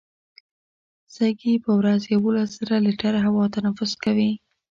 سږي په ورځ یوولس زره لیټره هوا تنفس کوي.